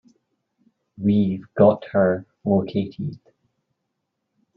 We've got her located.